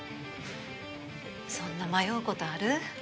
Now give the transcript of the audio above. そんな迷うことある？